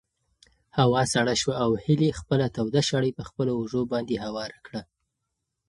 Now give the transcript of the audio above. هوا سړه شوه او هیلې خپله توده شړۍ په خپلو اوږو باندې هواره کړه.